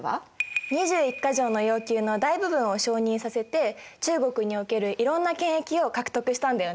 二十一か条の要求の大部分を承認させて中国におけるいろんな権益を獲得したんだよね。